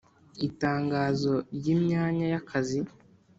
itangazo ry’ imyanya y’ akazi